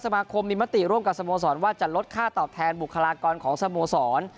สมาคมมีมติร่วมกับสโมสรว่าจะลดค่าตอบแทนบุคลากรของสโมสร